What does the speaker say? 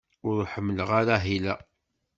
Ur ḥemmleɣ ara ahil-a.